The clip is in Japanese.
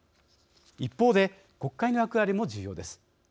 一方で、国会の役割も重要です。